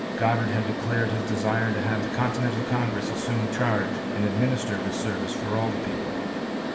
Goddard had declared his desire to have the Continental Congress assume charge and administer this service for all the people.